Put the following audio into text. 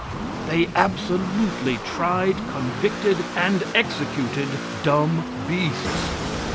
They absolutely tried, convicted and executed dumb beasts.